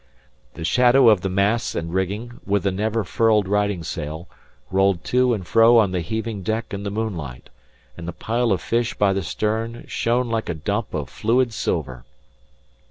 The shadow of the masts and rigging, with the never furled riding sail, rolled to and fro on the heaving deck in the moonlight; and the pile of fish by the stern shone like a dump of fluid silver.